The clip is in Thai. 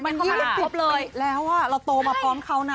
มัน๒๐เลยแล้วเราโตมาพร้อมเขานะ